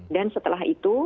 dan setelah itu